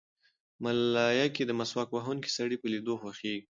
ملایکې د مسواک وهونکي سړي په لیدو خوښېږي.